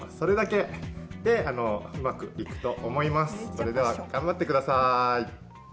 それでは頑張ってください。